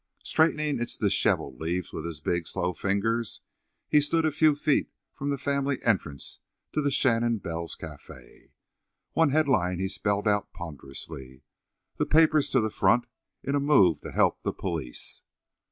Straightening its dishevelled leaves with his big, slow fingers, he stood a few feet from the family entrance of the Shandon Bells Café. One headline he spelled out ponderously: "The Papers to the Front in a Move to Help the Police."